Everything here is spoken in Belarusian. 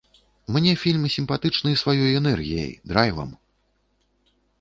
Мне фільм сімпатычны сваёй энергіяй, драйвам.